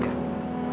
saya harus kerja